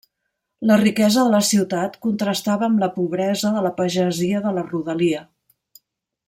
La riquesa de la ciutat contrastava amb la pobresa de la pagesia de la rodalia.